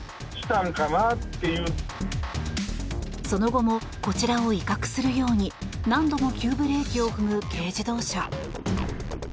その後もこちらを威嚇するように何度も急ブレーキを踏む軽自動車。